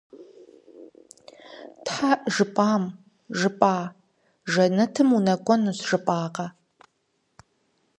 Тхьэ, жыпӀам, жыпӀа! Жэнэтым укӀуэнущ жыпӀакъэ?